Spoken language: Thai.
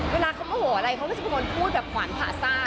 เวลาเขาโมโหอะไรเขาก็จะเป็นคนพูดแบบขวานผ่าซ่า